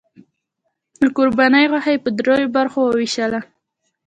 د قربانۍ غوښه یې په دریو برخو وویشله.